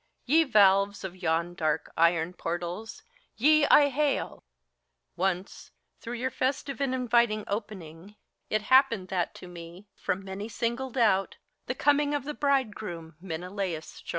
Ye valves of yon dark iron portals, ye I hail ! Once through your festive and inviting opening It happened that to me, from many singled out, The coming of the bridegroom Menelaus shone.